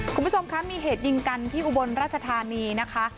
คุณผู้ชมคะมีเหตุยิงกันที่อุบลราชธานีนะคะ